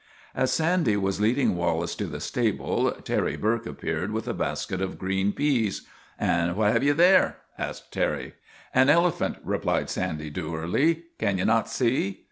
As Sandy was leading Wallace to the stable, Terry Burke appeared with a basket of green peas. ' And what have ye there ?'' asked Terry. " An elephant," replied Sandy dourly. " Can ye not see